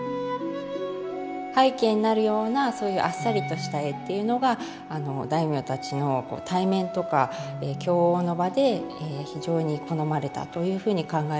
背景になるようなそういうあっさりとした絵っていうのがあの大名たちのこう対面とか供応の場で非常に好まれたというふうに考えられます。